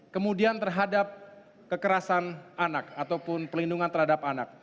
kemudian terhadap kekerasan anak ataupun pelindungan terhadap anak